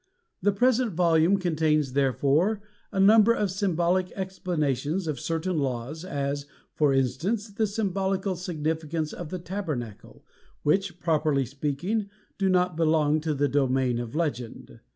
The present volume contains, therefore, a number of symbolic explanations of certain laws, as, for instance, the symbolical significance of the Tabernacle, which, properly speaking, do not belong to the domain of legend.